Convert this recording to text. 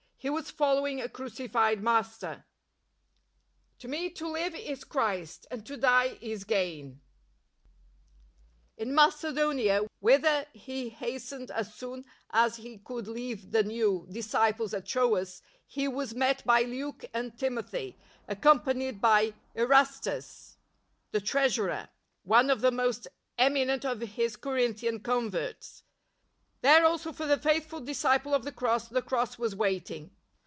He was following a crucified Master. " To me to live is Christ, and to die ds::gain, ':y: ' In Macedonia, whither he hastened as soon as he could leave the new disciples at Troas, he was met by Luke and Timothy, accom panied by Erastus, the treasurer, one of the most eminent of his Corinthian converts. There also for the faithful disciple of the Cross the Cross was waiting.